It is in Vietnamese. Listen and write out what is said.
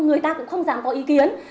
người ta cũng không dám có ý kiến